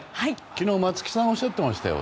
昨日、松木さんがおっしゃってましたよ。